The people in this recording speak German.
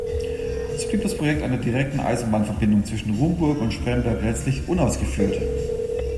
So blieb das Projekt einer direkten Eisenbahnverbindung zwischen Rumburg und Spremberg letztlich unausgeführt.